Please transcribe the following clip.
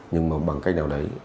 nhưng mà bằng cách nào đấy